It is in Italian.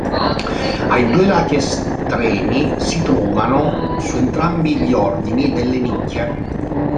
Ai due lati estremi si trovano, su entrambi gli ordini, delle nicchie.